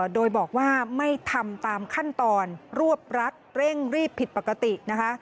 โดยบอกว่าไม่ทำตามขั้นตอนรวบรัดเร่งรีบผิดปกตินะคะ